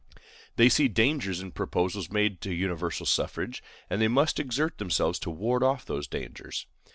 They see dangers in proposals made to universal suffrage, and they must exert themselves to ward off those dangers.